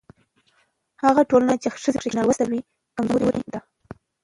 هغه ټولنه چې ښځې پکې نالوستې وي کمزورې ده.